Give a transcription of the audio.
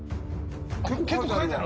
結構書いてある。